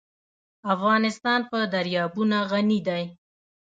افغانستان په دریابونه غني دی.